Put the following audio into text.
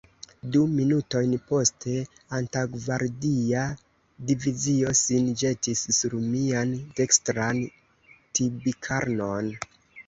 Du minutojn poste, antaŭgvardia divizio sin ĵetis sur mian dekstran tibikarnon.